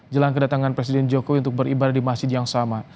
jelang kedatangan presiden jokowi untuk beribadah di masjid yang sama